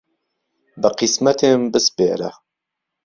به قیسمهتێم بسپێره